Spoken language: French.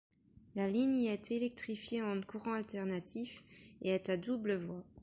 La ligne y est électrifiée en courant alternatif et est à double voie.